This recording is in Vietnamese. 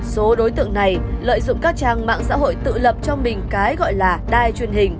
số đối tượng này lợi dụng các trang mạng xã hội tự lập cho mình cái gọi là đài truyền hình